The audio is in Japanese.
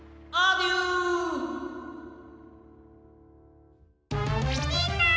みんな！